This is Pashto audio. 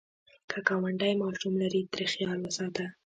که ګاونډی ماشوم لري، ترې خیال وساته